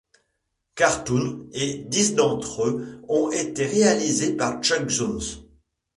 Cartoons, et dix d'entre eux ont été réalisés par Chuck Jones.